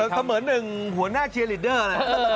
ทำเหมือนหนึ่งหัวหน้าเชียร์ลีดเดอร์